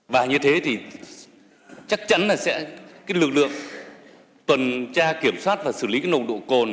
và như thế thì chắc chắn là sẽ lực lượng tuần tra kiểm soát và xử lý cái nồng độ cồn